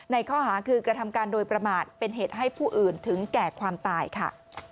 ข้อหาคือกระทำการโดยประมาทเป็นเหตุให้ผู้อื่นถึงแก่ความตายค่ะ